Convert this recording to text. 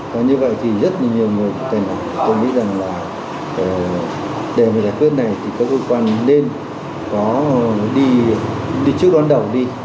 và như vậy thì rất là nhiều người cũng thấy là tôi nghĩ rằng là để mà giải quyết này thì các cơ quan nên có đi trước đoán đầu đi